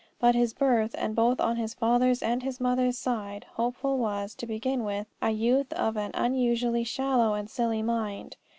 By his birth, and both on his father's and his mother's side, Hopeful was, to begin with, a youth of an unusually shallow and silly mind.